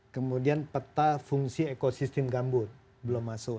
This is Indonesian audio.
kemudian peta fungsi ekosistem gambut belum masuk